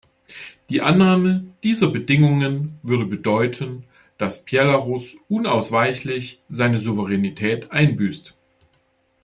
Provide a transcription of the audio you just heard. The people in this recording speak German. Die Annahme dieser Bedingungen würde bedeuten, dass Belarus unausweichlich seine Souveränität einbüßt.